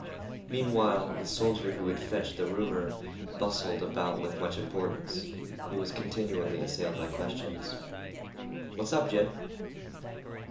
Meanwhile, the soldier who had fetched the rumor bustled about with much importance. He was continually assailed by questions. "What's up, Jim?"